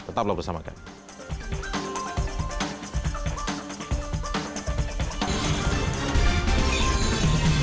tetaplah bersama kami